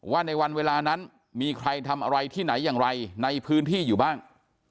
ว่าในวันเวลานั้นมีใครทำอะไรที่ไหนอย่างไรในพื้นที่อยู่บ้าง